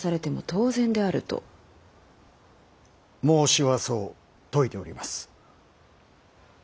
孟子はそう説いております。